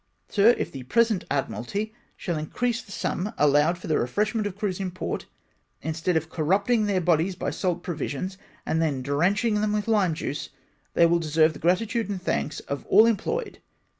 Sir, if the present Admiralty shall increase the sum allowed for the JOIN LORD COLLINGWOOD S FLEET. 233 refreshment of crews in port, instead of corrupting their bodies by salt provisions, and then drenching them with lime juice, they will deserve the gratitude and thanks of all employed.